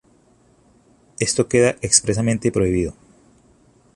Esto queda expresamente prohibido.